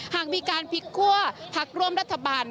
หากมีการพลิกคั่วพักร่วมรัฐบาล